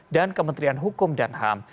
dan kementerian hukum dan ham